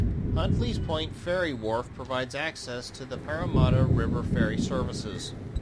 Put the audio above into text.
Huntleys Point ferry wharf provides access to the Parramatta River ferry services.